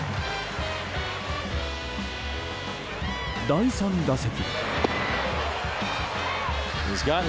第３打席。